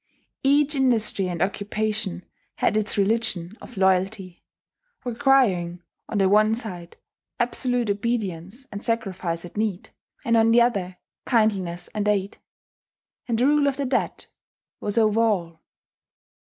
Each industry and occupation had its religion of loyalty, requiring, on the one side, absolute obedience and sacrifice at need; and on the other, kindliness and aid. And the rule of the dead was over all.